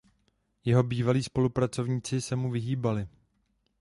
Jeho bývalí spolupracovníci se mu vyhýbali.